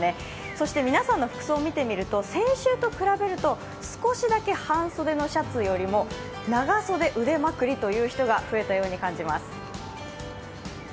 そして皆さんの服装を見てみると先週と比べると少しだけ半袖のシャツよりも長袖腕まくりという人が増えたように感じます。